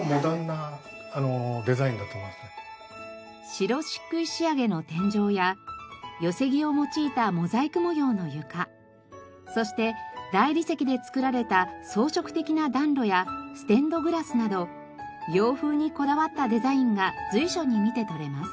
白漆喰仕上げの天井や寄木を用いたモザイク模様の床そして大理石で作られた装飾的な暖炉やステンドグラスなど洋風にこだわったデザインが随所に見て取れます。